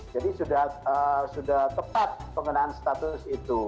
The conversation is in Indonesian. jadi sudah tepat pengenaan status itu